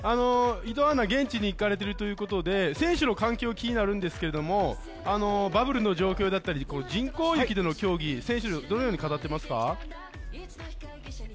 伊藤アナ、現地に行かれているということで選手の環境が気になるんですけれども、バブルの状況だったり人工雪での競技選手はどのように語っていますか？